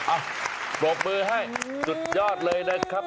อ้าวบอกมือให้สุดยอดเลยนะครับ